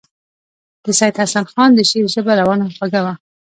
د سید حسن خان د شعر ژبه روانه او خوږه وه.